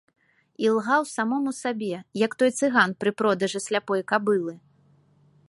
Ілгаў самому сабе, як той цыган пры продажы сляпой кабылы.